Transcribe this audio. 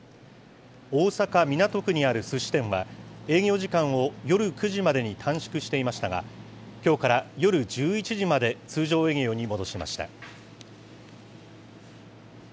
大阪・港区にあるすし店は、営業時間を夜９時までに短縮していましたが、きょうから夜１１時まで通常営業に戻しました。